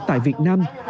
tại việt nam